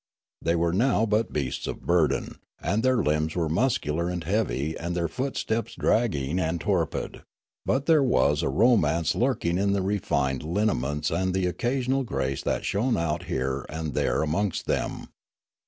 They were now but beasts of burden, and their limbs were muscular and heavy and their footsteps dragging and torpid ; but there was romance lurking in the refined linea ments and the occasional grace that shone out here and there amongst them.